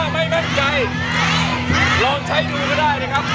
ไม่มั่นใจลองใช้ดูก็ได้นะครับ